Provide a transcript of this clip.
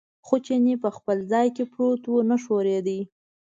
خو چیني په خپل ځای کې پروت و، نه ښورېده.